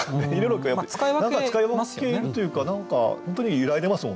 使い分けというか何か本当に揺らいでますもんね。